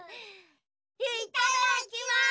いっただきます！